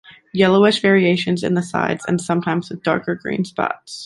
Yellowish variations in the sides and sometimes with darker green spots.